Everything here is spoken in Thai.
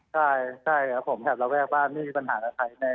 ใช่ใช่ครับผมแถบระแวกบ้านไม่มีปัญหากับใคร